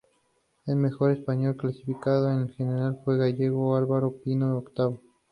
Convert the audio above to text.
El mejor español clasificado en la general fue el gallego Álvaro Pino, octavo.